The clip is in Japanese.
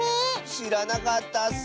しらなかったッス。